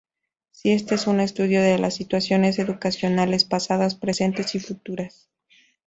Si este es un estudio de las situaciones educacionales pasadas, presentes y futuras.